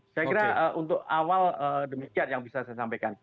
saya kira untuk awal demikian yang bisa saya sampaikan